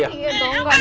iya dong gak mau